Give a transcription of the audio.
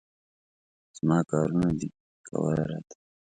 زما کارونه دي، کوه یې راته.